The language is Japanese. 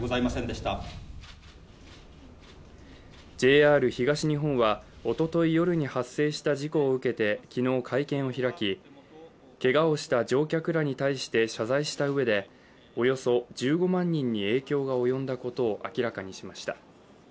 ＪＲ東日本はおととい夜に発生した事故を受けて昨日、会見を開き、けがをした乗客らに対して謝罪したうえでおよそ１５万人に影響が及んだことを明らかにしました。